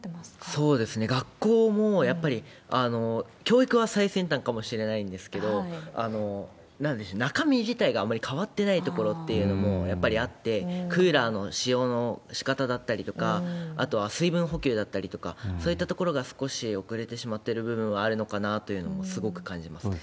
そうですね、学校も、やっぱり教育は最先端かもしれないんですけど、なんでしょうか、中身自体があまり変わってない所っていうのもやっぱりあって、クーラーの使用のしかただったりとか、水分補給だったりとか、そういった所が少し遅れてしまってる部分はあるのかなという部分も、すごく感じますね。